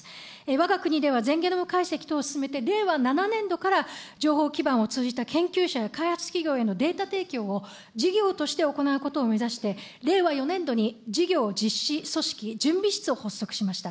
わが国では全ゲノム解析等を進めて、令和７年度から情報基盤を通じた研究者や開発企業のデータ提供を事業として行うことを目指して、令和４年度に事業実施組織準備室を発足しました。